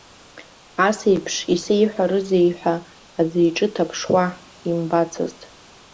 Ас еиԥш исеиҳәарызеи ҳәа аӡәы иҿы дҭаԥшуа имбацызт.